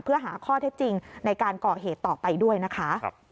เพื่อหาข้อเท็จจริงในการก่อเหตุต่อไปด้วยนะคะ